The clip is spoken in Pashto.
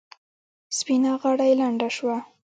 سپینه غاړه یې لنده شوه.